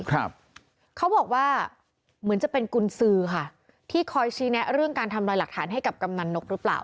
เขาบอกว่าเหมือนจะเป็นกุญสือค่ะที่คอยชี้แนะเรื่องการทำลายหลักฐานให้กับกำนันนกหรือเปล่า